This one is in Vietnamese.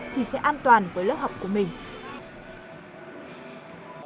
thì sẽ an toàn với lớp học của mình